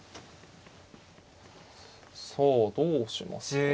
さあどうしますか。